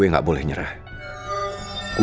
yani aku harap eigen bakal mbak itu